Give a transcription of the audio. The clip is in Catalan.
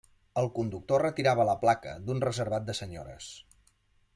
El conductor retirava la placa d'un reservat de senyores